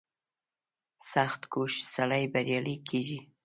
• سختکوش سړی بریالی کېږي.